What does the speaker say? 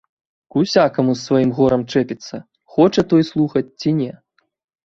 К усякаму з сваім горам чэпіцца, хоча той слухаць ці не.